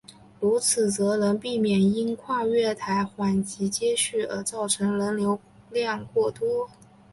如此则能避免因跨月台缓急接续而造成人流过多。